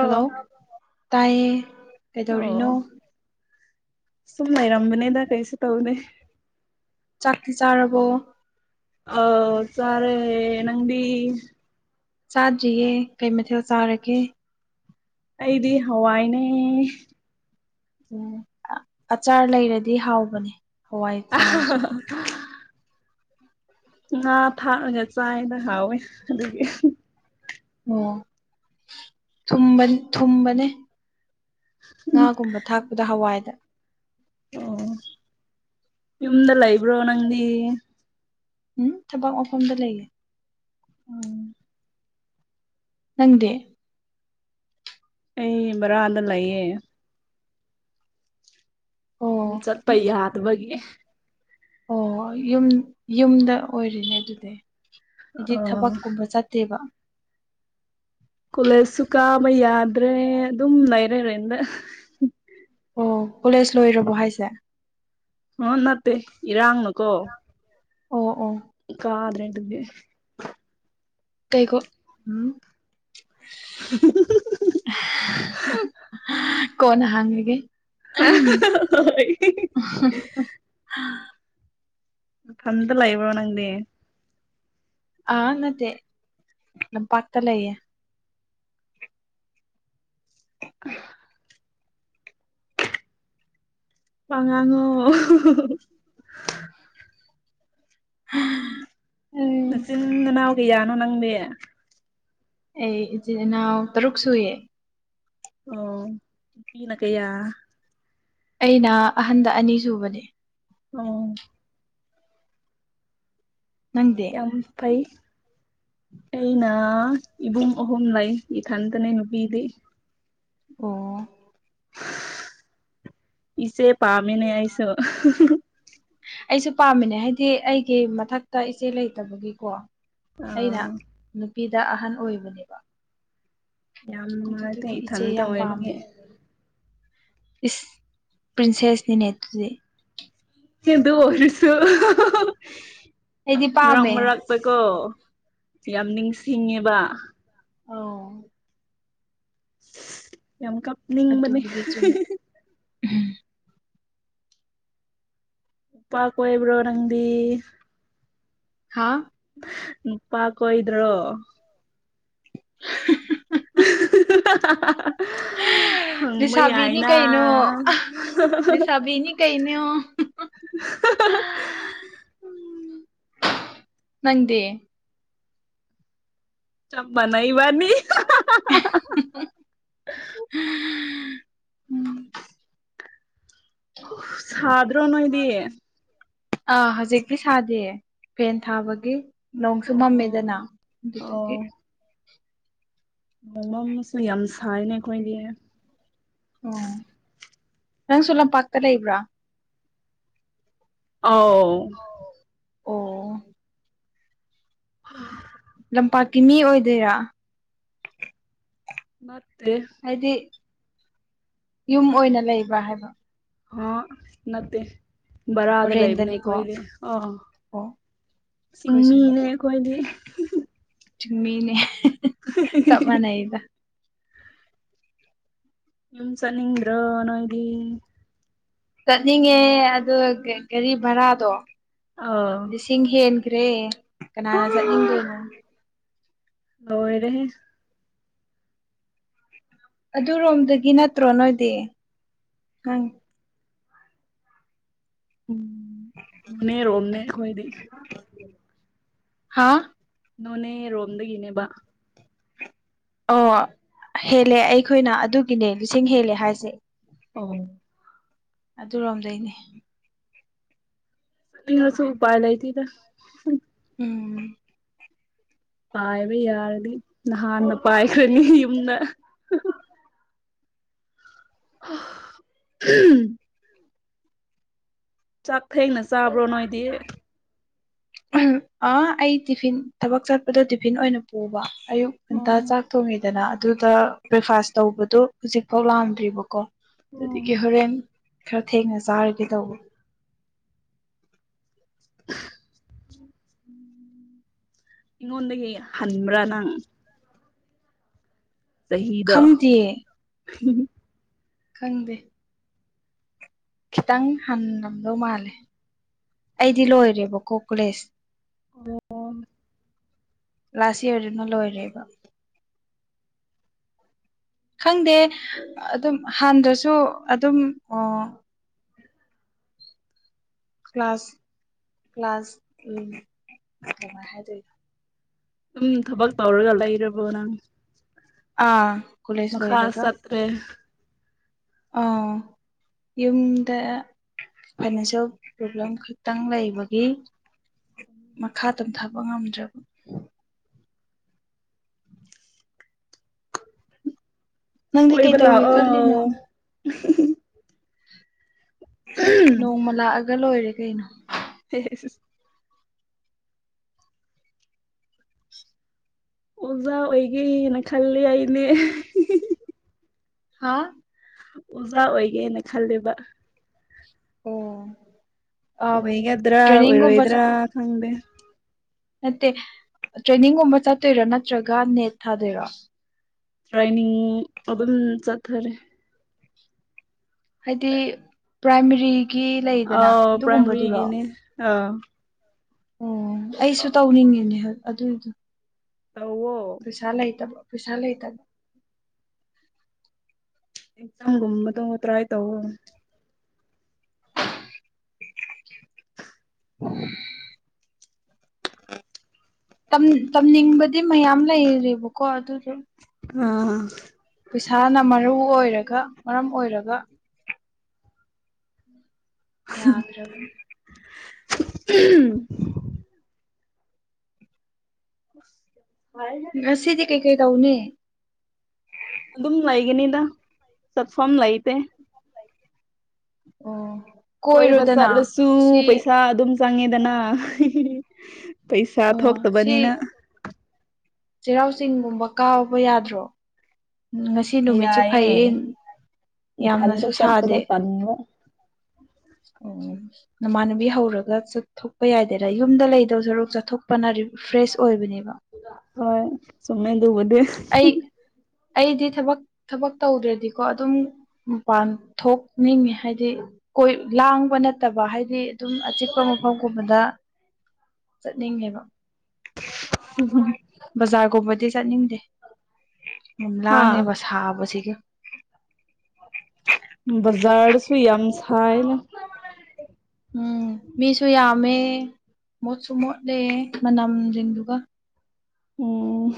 hello ꯇꯥꯏꯌꯦ ꯀꯩꯗꯧꯔꯤꯅꯣ ꯑꯣ ꯁꯨꯝ ꯂꯩꯔꯝꯕꯅꯦꯗ ꯀꯩꯁꯨꯦ ꯇꯧꯅꯦ ꯆꯥꯛꯇꯤ ꯆꯥꯔꯕꯣ ꯑ ꯆꯔꯦ ꯅꯪꯗꯤ ꯆꯥꯗ꯭ꯔꯤꯌꯦ ꯀꯩ ꯃꯊꯦꯜ ꯆꯥꯔꯒꯦ ꯑꯩꯗꯤ ꯍꯋꯥꯏꯅꯦ ꯎꯝ ꯑꯆꯥꯔ ꯂꯩꯔꯗꯤ ꯍꯥꯎꯕꯅꯦ ꯍꯋꯥꯏ ꯆꯥꯔꯁꯨ [inaudible] ꯉꯥ ꯊꯥꯛꯑꯒ ꯆꯥꯏꯅ ꯍꯥꯎꯋꯦ ꯑꯗꯨꯒꯤ ꯑꯣ ꯊꯨꯝꯕꯅꯤ ꯊꯨꯝꯕꯅꯦ ꯉꯥꯒꯨꯝꯕ ꯊꯥꯛꯄꯗꯣ ꯍꯋꯥꯏꯗ ꯑꯣ ꯌꯨꯝꯗ ꯂꯩꯕ꯭ꯔꯣ ꯅꯪꯗꯤ ꯎꯝ ꯊꯕꯛ ꯃꯐꯝꯗ ꯂꯩꯌꯦ ꯎꯝ ꯅꯪꯗꯤ ꯑꯩ ꯕꯔꯥꯗ ꯂꯩꯌꯦ ꯑꯣ ꯆꯠꯄ ꯌꯥꯗꯕꯒꯤꯅꯦ ꯑꯣ ꯌꯨꯝ ꯌꯨꯝꯗ ꯑꯣꯏꯔꯤꯅꯦ ꯑꯗꯨꯗꯤ ꯍꯥꯏꯗꯤ ꯑꯣ ꯊꯕꯛꯀꯨꯝꯕ ꯆꯠꯇꯦꯕ ꯀꯣꯂꯦꯁꯁꯨ ꯀꯥꯕ ꯌꯥꯗ꯭ꯔꯦ ꯑꯗꯨꯝ ꯂꯩꯔꯦ ꯔꯦꯟꯗ ꯑꯣ ꯀꯣꯂꯦꯖ ꯂꯣꯏꯔꯕꯣ ꯍꯥꯏꯁꯦ ꯍꯥ ꯅꯠꯇꯦ ꯏꯔꯥꯡꯅ ꯀꯣ ꯑꯣ ꯑꯣ ꯀꯥꯗ꯭ꯔꯦ ꯑꯗꯨꯒꯤ ꯀꯩꯀꯣ ꯎꯝ [unintelligible] ꯀꯣꯟꯅ ꯍꯥꯡꯉꯒꯦ ꯍꯣꯏ [unintelligible] ꯅꯊꯟꯗ ꯂꯩꯕ꯭ꯔꯣ ꯅꯪꯗꯤ ꯑꯥ ꯅꯠꯇꯦ ꯂꯝꯄꯥꯛꯇꯥ ꯂꯩꯌꯦ [inaudible] ꯋꯥ ꯉꯥꯡꯉꯣ [unintelligible] ꯎꯝ ꯅꯆꯤꯟ ꯅꯅꯥꯎ ꯀꯌꯥꯅꯣ ꯅꯪꯗꯤ ꯑꯩ ꯏꯆꯤꯟ ꯏꯅꯥꯎ ꯇꯔꯨꯛ ꯁꯨꯏꯌꯦ ꯑꯣ ꯅꯨꯄꯤꯅ ꯀꯌꯥ ꯑꯩꯅ ꯑꯍꯟꯗ ꯑꯅꯤ ꯁꯨꯕꯅꯦ ꯑꯣ ꯅꯪꯗꯤ ꯌꯥꯝ ꯐꯩ ꯑꯩꯅ ꯏꯕꯨꯡ ꯑꯍꯨꯝ ꯂꯩ ꯏꯊꯟꯇꯅꯦ ꯅꯨꯄꯤꯗꯤ ꯑꯣ ꯏꯆꯦ ꯄꯥꯃꯤꯅꯦ ꯑꯩꯁꯨ ꯑꯩꯁꯨ ꯄꯥꯝꯃꯤꯅꯦ ꯍꯥꯏꯗꯤ ꯑꯩꯒꯤ ꯃꯊꯛꯇ ꯏꯆꯦ ꯂꯩꯇꯕꯒꯤꯀꯣ ꯑꯩꯅ ꯑꯥ ꯅꯨꯄꯤꯗ ꯑꯍꯟ ꯑꯣꯏꯕꯅꯦꯕ ꯌꯥꯝ ꯅꯨꯡꯉꯥꯏꯇꯦ ꯑꯗꯨꯗꯨꯒꯤ ꯏꯆꯦ ꯏꯊꯟꯇ ꯌꯥꯝ ꯄꯥꯝꯃꯦ ꯑꯣꯏꯕꯒꯤ ꯏꯁ ꯄ꯭ꯔꯤꯟꯁꯦꯁꯅꯤꯅꯦ ꯑꯗꯨꯗꯤ ꯑꯩꯗꯤ [unintelligible] ꯃꯔꯛ ꯄꯥꯝꯃꯦ ꯃꯔꯛ ꯐꯩꯀꯣ ꯌꯥꯝ ꯅꯤꯡꯁꯤꯡꯉꯦꯕ ꯑꯣ ꯌꯥꯝ ꯀꯞ ꯑꯗꯨꯕꯨꯗꯤ ꯆꯨꯝꯃꯦ ꯎꯝ ꯅꯨꯄꯥ ꯀꯣꯏꯕ꯭ꯔꯣ ꯅꯪꯗꯤ ꯍꯥꯥ ꯅꯨꯄꯥ ꯀꯣꯏꯗ꯭ꯔꯣ [unintelligible] [unintelligible] ꯍꯪꯕ ꯂꯩꯁꯥꯕꯤꯅꯤ ꯌꯥꯏꯅ ꯀꯩꯅꯣ ꯂꯩꯁꯥꯕꯤꯅꯤ ꯀꯩꯅꯣ [unintelligible] ꯅꯪꯗꯤ ꯆꯝꯕꯅꯕꯅꯤ ꯎꯝ [unintelligible] ꯁꯥꯗ꯭ꯔꯣ ꯅꯣꯏꯗꯤ ꯑꯥ ꯍꯧꯖꯤꯛꯇꯤ ꯁꯥꯗꯦꯌꯦ ꯐꯦꯟ ꯊꯥꯕꯒꯤ ꯅꯣꯡꯁꯨ ꯃꯝꯃꯦꯗꯅ ꯑꯣ ꯑꯗꯨꯗꯒꯤ ꯃꯃꯝꯁꯨ ꯌꯥꯝ ꯁꯥꯏꯅꯦ ꯑꯩꯈꯣꯏꯗꯤ ꯑꯣ ꯅꯪꯁꯨ ꯂꯝꯄꯥꯛꯇ ꯂꯩꯕ꯭ꯔꯥ ꯑ ꯑꯣ ꯍ [unintelligible] ꯇꯝꯄꯥꯛꯀꯤ ꯃꯤ ꯑꯣꯏꯗꯣꯏꯔꯥ ꯃꯦ ꯍꯥꯏꯗꯤ ꯌꯨꯝ ꯑꯣꯏꯅ ꯂꯩꯕ꯭ꯔꯥ ꯍꯥꯏꯕ ꯍ ꯅ ꯔꯗ ꯂꯩꯥꯏꯕꯅꯦ ꯍꯣꯔꯦꯟꯗꯅꯤꯀꯣ ꯀꯣꯏꯗ ꯑ ꯑꯣ ꯆꯤꯡꯃꯤꯅꯦ ꯑꯩꯈꯣꯏꯗꯤ ꯆꯃꯤꯅꯦ ꯁꯃꯅ ꯏꯗ ꯅꯝ ꯆꯅ꯭ꯔꯣ ꯅꯅꯥꯗꯤ ꯆꯠꯅꯤꯡꯉꯦ ꯑ ꯀꯔꯤ ꯚꯔꯥꯗꯣ ꯑ ꯆꯤꯡ ꯍꯦꯟꯈ꯭ꯔꯦ ꯀꯅꯥꯅ ꯆꯠꯅꯤꯡꯗꯣꯏꯅꯣ ꯑꯣꯣꯏꯔꯦꯦ ꯑꯗꯨꯔꯣꯝꯗꯒꯤ ꯅꯠꯇ꯭ꯔꯣ ꯅꯣꯏꯗꯤ ꯑꯪ ꯎꯝꯅꯤꯔꯣꯅꯦ ꯑꯩꯣꯏꯗꯤ ꯍꯥꯥ ꯅꯣꯅꯦ ꯔꯣꯝꯗꯒꯤꯅꯦꯕ ꯑꯣ ꯍꯦꯜꯂꯦ ꯑꯩꯈꯣꯏꯅ ꯑꯗꯨꯒꯤꯅꯦ ꯂꯤꯁꯤꯡ ꯍꯦꯜꯂꯦ ꯍꯥꯏꯁꯦ ꯑꯣ ꯑꯗꯨꯔꯣꯝꯗꯩꯅꯦ ꯍꯥꯁꯨ ꯎ ꯄꯥꯏ ꯅ ꯊꯤꯗ ꯎꯝ ꯄꯥꯏꯕ ꯌꯥꯔꯅꯤ ꯅꯍꯥꯟꯅ ꯄꯥꯏꯈ꯭ꯔꯅꯤ ꯌꯨꯝꯗ ꯎꯟ ꯆꯥꯛ ꯊꯦꯡꯅ ꯆꯥꯕ꯭ꯔꯣ ꯅꯣꯏꯗꯤ ꯑꯩ ꯇꯤꯐꯤꯟ ꯊꯕꯛ ꯆꯠꯄꯗ ꯇꯤꯐꯤꯟ ꯑꯣꯏꯅ ꯄꯨꯕ ꯑꯌꯨꯛ ꯉꯟꯇꯥ ꯑꯣ ꯆꯥꯛ ꯇꯣꯡꯉꯤꯗꯅ ꯑꯗꯨꯗ ꯕ꯭ꯔꯦꯛꯐꯥꯁ ꯇꯧꯕꯗꯣ ꯍꯧꯖꯤꯛꯐꯥꯎ ꯂꯥꯛꯑꯝꯗ꯭ꯔꯤꯕꯀꯣ ꯑꯗꯨꯗꯒꯤ ꯍꯣꯔꯦꯟ ꯈꯔ ꯊꯦꯡꯅ ꯆꯥꯔꯒꯦ ꯇꯧꯕ ꯑꯩꯉꯣꯟꯗꯒꯤ ꯍꯟꯕ꯭ꯔꯥ ꯅꯪ ꯁꯍꯤꯗ ꯈꯪꯗꯦꯌꯦ ꯈꯪꯗꯦ ꯈꯤꯇꯪ ꯍꯜꯂꯝꯗꯧ ꯃꯥꯜꯂꯦ ꯑꯩꯗꯤ ꯂꯣꯏꯔꯦꯕꯀꯣ ꯀꯣꯂꯦꯖ ꯔꯣꯝ ꯂꯥꯁ ꯏꯔꯗꯨꯅ ꯂꯣꯏꯔꯦꯕ ꯈꯪꯗꯦ ꯑꯗꯨꯝ ꯍꯥꯟꯗ꯭ꯔꯁꯨ ꯑꯗꯨꯝ ꯑꯣ ꯑ ꯀ꯭ꯂ ꯀ꯭ꯂ ꯎ ꯍꯥꯏ ꯑꯗꯨꯝ ꯊꯕꯛ ꯇꯧꯔꯒ ꯂꯩꯔꯕꯣ ꯅꯪ ꯑꯥ ꯀꯣꯂꯦꯖ ꯃꯈꯥ ꯂꯣꯏꯔꯒ ꯆꯠ ꯇ꯭ꯔꯦ ꯑꯥ ꯌꯨꯝꯗ ꯐꯥꯏꯅꯥꯟꯁꯤꯌꯦꯜ ꯄ꯭ꯔꯣꯕ꯭ꯂꯦꯝ ꯈꯛꯇꯪ ꯂꯩꯕꯒꯤ ꯃꯈꯥ ꯇꯝꯊꯕ ꯉꯝꯗ꯭ꯔꯕ ꯅꯪꯗꯤ ꯀꯩ ꯀꯣꯏꯕ ꯇꯧꯒꯦ ꯈꯜꯂꯤꯅꯣ ꯂꯥꯛꯑꯣ ꯅꯣꯡꯃ ꯂꯥꯛꯑꯒ ꯂꯣꯏꯔꯦ ꯀꯩꯅꯣ ꯍ ꯍ ꯑꯣꯖꯥ ꯑꯣꯏꯒꯦꯅ ꯈꯜꯂꯦ ꯑꯩꯅꯦ ꯍꯥ ꯑꯣꯖꯥ ꯑꯣꯏꯒꯦꯅ ꯈꯂꯦꯕ ꯑꯣ ꯑꯣꯏꯒꯗ꯭ꯔꯥ ꯇ꯭ꯔꯦꯅꯤꯡꯒꯨꯝꯕ ꯑꯣꯏꯔꯣꯏꯗ꯭ꯔꯥ ꯆꯠ ꯈꯪꯗꯦ ꯅꯠꯇꯦ ꯇ꯭ꯔꯦꯅꯤꯡꯒꯨꯝꯕ ꯆꯠꯇꯣꯏꯔꯣ ꯅꯠꯇ꯭ꯔꯒ ꯅꯦꯠ ꯊꯥꯗꯣꯏꯔꯣ ꯇ꯭ꯔꯥꯏꯅꯤꯡ ꯑꯗꯨꯝ ꯆꯠꯊꯔꯦ ꯍꯥꯏꯗꯤ ꯄ꯭ꯔꯥꯏꯃꯔꯤꯒꯤ ꯂꯩꯗꯅ ꯑꯥꯎ ꯑꯗꯨꯒꯨꯝꯕꯗꯨꯔꯣ ꯄ꯭ꯔꯥꯏꯃꯔꯤꯒꯤꯅꯦ ꯑꯥ ꯑꯣ ꯑꯩꯁꯨ ꯇꯧꯅꯤꯡꯉꯤꯅꯦ ꯑꯗꯨꯏꯗꯤ ꯇꯋ ꯐꯁꯥ ꯑꯕ ꯐꯁꯥ ꯑꯕ ꯑꯦꯛꯖꯥꯝꯒꯨꯝꯕꯗꯣ ꯇ꯭ꯔꯥꯏ ꯇꯧ ꯍꯨꯝ ꯇꯝꯅꯤꯡꯕꯗꯤ ꯃꯌꯥꯝ ꯂꯩꯔꯦꯕꯀꯣ ꯑꯗꯨꯗꯣ ꯑꯥ ꯄꯩꯁꯥꯅ ꯃꯔꯨ ꯑꯣꯏꯔꯒ ꯃꯔꯝ ꯑꯣꯏꯔꯒ ꯌꯥꯗꯒ ꯎꯝ [unintelligible] ꯑꯁꯤꯗꯤ ꯀꯩꯀꯩ ꯇꯧꯅꯦ ꯑꯗꯨꯝ ꯂꯩꯒꯅꯤꯗ ꯆꯠꯐꯝ ꯂꯩꯇꯦ ꯑꯣ ꯀꯣꯏꯕ ꯆꯠꯂꯁꯨ ꯄꯩꯁꯥ ꯑꯗꯨꯝ ꯆꯪꯉꯦꯗꯅ ꯄꯩꯁꯥ ꯑꯣ ꯁꯤ ꯊꯣꯛꯇꯕꯅꯤꯅ ꯆꯩꯔꯥꯎ ꯆꯤꯡꯒꯨꯝꯕ ꯀꯥꯕ ꯌꯥꯗ꯭ꯔꯣ ꯉꯁꯤ ꯁꯤ ꯅꯨꯃꯤꯠꯁꯨ ꯌꯥꯏꯌꯦ ꯐꯩꯌꯦ ꯌꯥꯝꯅꯁꯨ ꯁꯥꯗꯦ ꯑꯅꯣ ꯑꯣ ꯅꯃꯥꯟꯅꯨꯕꯤ ꯍꯧꯔꯒ ꯆꯠꯊꯣꯛꯄ ꯌꯥꯏꯗꯦꯔ ꯌꯨꯝꯗ ꯂꯩꯗꯧ ꯁꯔꯨꯛ ꯆꯠꯊꯣꯛꯄꯅ ꯐ꯭ꯔꯦꯁ ꯑꯣꯏꯕꯅꯦꯕ ꯍꯣꯏ ꯁꯃꯦꯗꯨꯕꯨꯗꯨꯦ ꯑꯩ ꯑꯩꯗꯤ ꯊꯕꯛ ꯊꯕꯛ ꯇꯧꯗ꯭ꯔꯗꯤꯀꯣ ꯑꯗꯨꯝ ꯃꯄꯥꯟ ꯊꯣꯛꯅꯤꯡꯉꯤ ꯍꯥꯏꯗꯤ ꯀꯣꯏ ꯂꯥꯡꯕ ꯅꯠꯇꯕ ꯍꯥꯏꯗꯤ ꯑꯗꯨꯝ ꯑꯆꯤꯛꯄ ꯃꯐꯝꯒꯨꯝꯕꯗ ꯆꯠꯅꯤꯡꯉꯦꯕ ꯍꯨꯝꯍꯨꯝ ꯕꯖꯥꯔꯒꯨꯝꯕꯗꯤ ꯆꯠꯅꯤꯡꯗꯦ ꯑꯗꯨꯝ ꯍꯥ ꯂꯥꯡꯉꯦꯕ ꯁꯥꯕꯁꯤꯒ ꯕꯖꯥꯔꯁꯨꯏ ꯌꯥꯝꯝꯁꯥꯏꯅ ꯎꯝ ꯃꯤꯁꯨ ꯌꯥꯝꯃꯦ ꯃꯣꯠꯁꯨ ꯃꯣꯠꯂꯦ ꯃꯅꯝꯁꯤꯡꯗꯨꯒ ꯎꯝ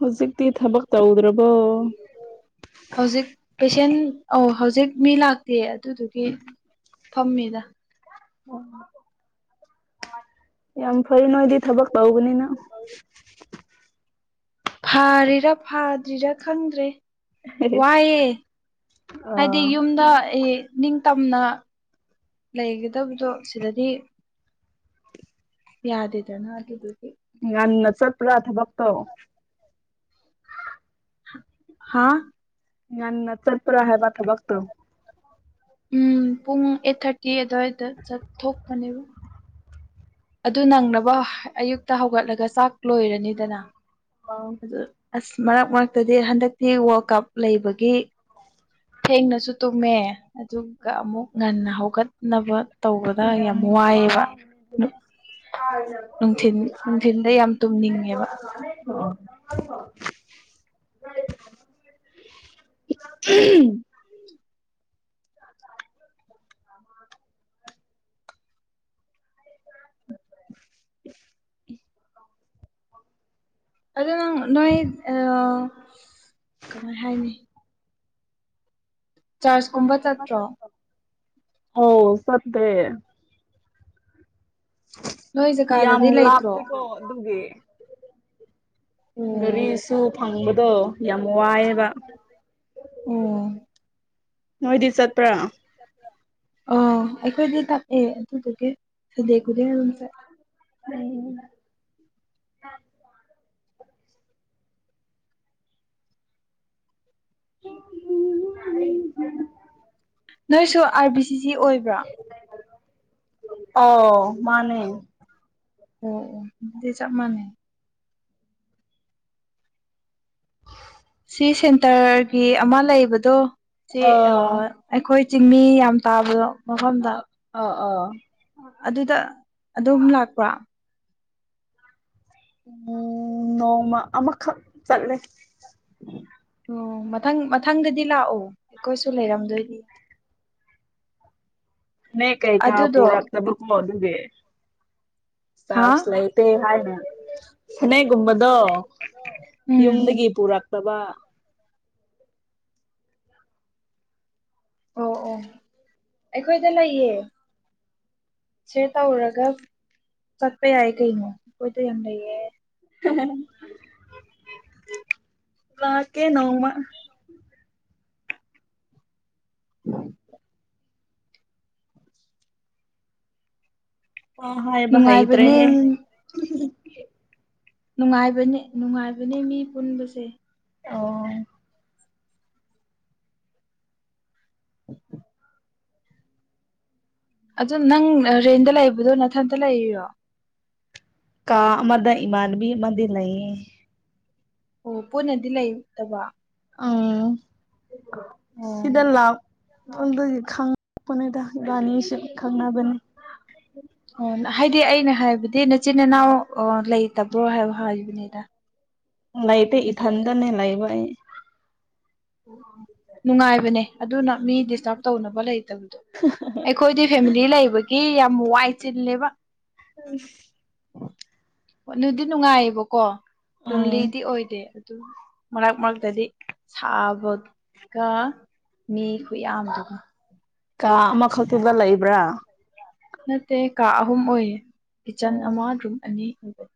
ꯍꯧꯖꯤꯛꯇꯤ ꯊꯕꯛ ꯇꯧꯗ꯭ꯔꯕꯣ ꯍꯧꯖꯤꯛ ꯄꯦꯁꯦꯟ ꯑꯣ ꯍꯧꯖꯤꯛ ꯃꯤ ꯂꯥꯛꯇꯦ ꯑꯗꯨꯗꯨꯒꯤ ꯐꯝꯃꯤꯗ ꯑꯣ ꯌꯥꯝ ꯐꯔꯦ ꯅꯣꯏꯗꯤ ꯊꯕꯛ ꯇꯧꯕꯅꯤꯅ ꯐꯥꯔꯤꯔꯥ ꯐꯥꯗ꯭ꯔꯤꯔꯥ ꯈꯪꯗ꯭ꯔꯦ ꯋꯥꯏꯑꯦ ꯑ ꯍꯥꯏꯗꯤ ꯌꯨꯝꯗ ꯅꯤꯡꯇꯝꯅ ꯂꯩꯒꯗꯕꯗꯣ ꯁꯤꯗꯗꯤ [inaudible] ꯌꯥꯗꯦꯗꯅ ꯍꯥꯏꯗꯤ ꯉꯥꯟ ꯆꯠ꯭ꯔ ꯊꯕꯣꯛ ꯇꯕ ꯍꯥꯥ ꯅ ꯆꯠꯄ꯭ꯔꯥ ꯍꯥꯏꯕ ꯊꯕ ꯇꯣ ꯎꯝ ꯄꯨꯡ ꯑꯩꯠ ꯊꯥꯔꯇꯤ ꯑꯗꯨꯗꯋꯥꯏꯗ ꯆꯠꯊꯣꯛꯄꯅꯦꯕ ꯑꯗꯨ ꯅꯪꯅꯕ ꯑꯌꯨꯛꯇ ꯍꯧꯒꯠꯂꯒ ꯆꯥꯛ ꯂꯣꯏꯔꯅꯤꯗꯅ ꯑ ꯑꯗꯨ ꯑꯁ ꯃꯔꯛ ꯃꯔꯛꯇꯗꯤ ꯍꯟꯗꯛꯇꯤ ꯋꯥꯔꯜ ꯀꯞ ꯂꯩꯕꯒꯤ ꯊꯦꯡꯅꯁꯨ ꯇꯨꯝꯃꯦ ꯑꯗꯨꯒ ꯑꯃꯨꯛ ꯉꯟꯅ ꯍꯧꯒꯠꯅꯕ ꯇꯧꯕꯗ ꯌꯥꯝ ꯋꯥꯏꯑꯦꯕ ꯅꯨꯡꯊꯤꯟ ꯅꯨꯡꯊꯤꯟꯗ ꯌꯥꯝ ꯇꯨꯝꯅꯤꯡꯉꯦꯕ [unintelligible] [unintelligible] [unintelligible] ꯑꯗ ꯅꯪ ꯅꯣꯏ ꯀꯃꯥꯏ ꯍꯥꯏꯅꯤ ꯆꯥꯔꯖ ꯀꯨꯝꯕ ꯆꯠꯇ꯭ꯔꯣ ꯑꯣ ꯆꯠꯇꯦ ꯅꯣꯏ ꯌꯥꯝ ꯖꯒꯥꯗꯗꯤ ꯂꯩꯇ꯭ꯔꯣ ꯂꯥꯞꯇꯦꯀꯣ ꯑꯗꯨꯒꯤ ꯑꯣ ꯒꯥꯔꯤꯁꯨ ꯐꯪꯕꯗꯣ ꯌꯥꯝ ꯋꯥꯏꯑꯕ ꯑꯣ ꯅꯣꯏꯗꯤ ꯆꯠꯄ꯭ꯔꯥ ꯑ ꯑꯩꯈꯣꯏꯗꯤ ꯇꯥꯛꯑꯦ ꯑꯗꯨꯗꯨꯒꯤ ꯁꯗꯦ ꯈꯨꯗꯤꯡ ꯑꯗꯨꯝ ꯆꯠꯂꯦ ꯎꯝ ꯅꯣꯏꯁꯨ ꯑꯥꯔ ꯕꯤ ꯁꯤ ꯁꯤ ꯑꯣꯏꯕ꯭ꯔꯥ ꯑꯣ ꯃꯥꯅꯦ ꯑꯣ ꯑꯣ ꯑꯗꯨꯗꯤ ꯆꯞ ꯃꯥꯟꯅꯩ ꯎ ꯁꯤ ꯁꯦꯟꯇꯔꯒꯤ ꯑꯃ ꯂꯩꯕꯗꯣ ꯁꯤ ꯑ ꯑꯩꯈꯣꯏ ꯆꯤꯡꯃꯤ ꯌꯥꯝ ꯇꯥꯕꯗ ꯃꯐꯝꯗ ꯑꯥ ꯑꯥ ꯑꯗꯨꯗ ꯑꯗꯨꯝ ꯂꯥꯛꯄꯥ ꯎꯝ ꯅꯣꯡꯃ ꯑꯃꯈꯛ ꯆꯠꯂꯦ ꯑꯣ ꯃꯊꯪ ꯃꯊꯪꯗꯗꯤ ꯂꯥꯛꯑꯣ ꯑꯩꯈꯣꯏꯁꯨ ꯂꯩꯔꯝꯗꯣꯏꯅꯤ [inaudible] ꯅ ꯀꯩ ꯀꯥ ꯑꯗꯨꯗꯣ ꯄꯔꯛ ꯇꯕ ꯀꯣꯗꯒꯦ ꯔ ꯍꯥ ꯂꯩꯇꯦ ꯍꯥꯏꯅꯦ ꯐꯅꯩꯒꯨꯝꯕꯗꯣ ꯎꯝ ꯌꯨꯝꯗꯒꯤ ꯄꯨꯔꯛꯇꯕ ꯑꯣ ꯑꯣ ꯑꯩꯈꯣꯏꯗ ꯂꯩꯌꯦ ꯁꯦꯌꯔ ꯇꯧꯔꯔꯒ ꯆꯠꯄ ꯌꯥꯏꯌꯦ ꯀꯩꯅꯣ ꯑꯩꯈꯣꯏꯗ ꯌꯥꯝ ꯂꯩꯌꯦ ꯎ ꯂꯀꯦ ꯅꯣꯡꯃ ꯎꯝ ꯑ ꯍ ꯍꯥꯏꯕ ꯍꯩꯇ꯭ꯔꯦꯍ‌ꯦ ꯅꯨꯡꯉꯥꯏꯕꯅꯦ ꯅꯨꯡꯉꯥꯏꯕꯅꯦ ꯅꯨꯡꯉꯥꯏꯕꯅꯦ ꯃꯤ ꯄꯨꯟꯕꯁꯦ ꯑꯣ ꯑꯗ ꯅꯪ ꯔꯦꯟꯗ ꯂꯩꯕꯗꯣ ꯅꯊꯟꯇ ꯂꯩꯔꯤꯔꯣ ꯀꯥ ꯑꯃꯗ ꯏꯃꯥꯟꯕꯤ ꯑꯃꯗꯤ ꯂꯩꯌꯦ ꯑꯣ ꯄꯨꯟꯅꯗꯤ ꯂꯩꯇꯕ ꯎꯝ ꯑꯣ ꯁꯤꯗꯂ ꯈꯪ ꯄꯅꯗ ꯏꯕꯥꯅꯤꯁꯦ ꯈꯪꯅꯕꯅꯤ ꯑꯣ ꯍꯥꯏꯗꯤ ꯑꯩꯅ ꯍꯥꯏꯕꯗꯤ ꯅꯆꯤꯟ ꯏꯅꯥꯎ ꯂꯩꯇꯕ꯭ꯔꯣ ꯍꯥꯏꯕ ꯍꯥꯏꯕꯅꯤꯗ ꯂꯩꯇꯦ ꯅꯊꯟꯇ ꯏꯊꯟꯗꯅꯦ ꯂꯩꯕ ꯅꯨꯡꯉꯥꯏꯕꯅꯦ ꯑꯗꯨꯅ ꯃꯤ ꯗꯤꯁꯇꯔꯕ ꯇꯧꯅꯕ ꯂꯩꯇꯕꯗꯣ ꯑꯩꯈꯣꯏꯗꯤ ꯐꯦꯃꯤꯂꯤ ꯂꯩꯕꯒꯤ ꯌꯥꯝ ꯋꯥꯏ ꯆꯤꯜꯂꯦꯕ ꯎꯝ ꯅꯨꯡꯗꯤ ꯅꯨꯡꯉꯥꯏꯌꯦꯕꯀꯣ ꯎꯝ ꯂꯣꯜꯂꯤꯗꯤ ꯑꯣꯏꯗꯦ ꯑꯗꯨ ꯃꯔꯛ ꯃꯔꯛꯇꯗꯤ ꯁꯥꯕꯒ ꯃꯤ ꯈꯨꯌꯥꯝꯗꯨꯒ ꯀꯥ ꯑꯃꯈꯛꯇꯥꯗ ꯂꯩꯕ꯭ꯔꯥ ꯅꯠꯇꯦ ꯀꯥ ꯑꯍꯨꯝ ꯑꯣꯏꯌꯦ ꯀꯤꯠꯆꯟ ꯑꯣ ꯑꯃ ꯔꯨꯝ ꯑꯅꯤ ꯑꯣꯏꯕꯅꯤ